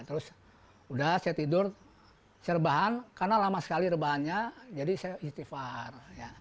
terus udah saya tidur serbahan karena lama sekali rebahannya jadi saya istighfar